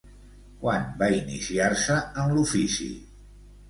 Quan va iniciar-se en l'ofici?